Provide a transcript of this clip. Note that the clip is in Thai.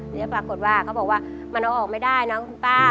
แล้วปรากฏว่าเขาบอกว่ามันเอาออกไม่ได้นะคุณป้า